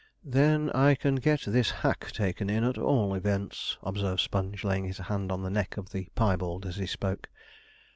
'Then I can get this hack taken in, at all events,' observed Sponge, laying his hand on the neck of the piebald as he spoke.